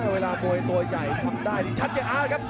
เวลาบ่อยตัวใหญ่กลับได้ที่ชัดจะอำนักครับ